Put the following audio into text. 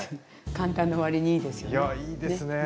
簡単な割にいいですよね。